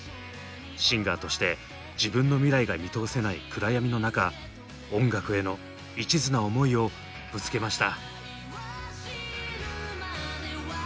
シンガーとして自分の未来が見通せない暗闇の中音楽への一途な思いをぶつけました。